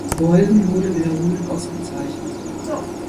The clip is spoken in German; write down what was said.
Boysen wurde wiederholt ausgezeichnet.